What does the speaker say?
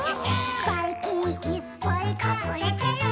「ばいきんいっぱいかくれてる！」